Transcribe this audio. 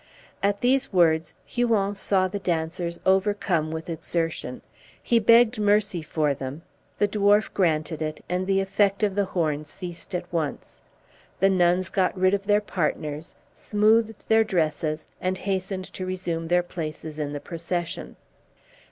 At these words Huon saw the dancers overcome with exertion. He begged mercy for them, the dwarf granted it, and the effect of the horn ceased at once; the nuns got rid of their partners, smoothed their dresses, and hastened to resume their places in the procession.